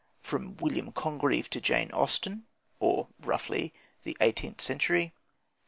From William Congreve to Jane Austen, or roughly, the eighteenth century.